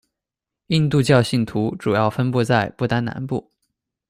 印度教信徒主要分布在不丹南部。